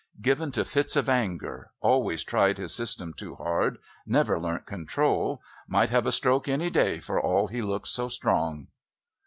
Given to fits of anger, always tried his system too hard, never learnt control. Might have a stroke any day for all he looks so strong!"